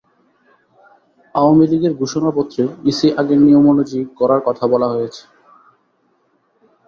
আওয়ামী লীগের ঘোষণাপত্রে ইসি আগের নিয়ম অনুযায়ী করার কথা বলা হয়েছে।